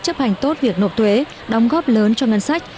chấp hành tốt việc nộp thuế đóng góp lớn cho ngân sách